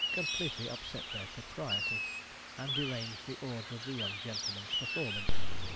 completely upset their propriety, and deranged the order of the young gentleman's performance.